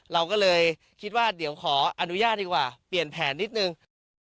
เราก็เลยคิดว่าเดี๋ยวขออนุญาตดีกว่าเปลี่ยนแผนนิดนึง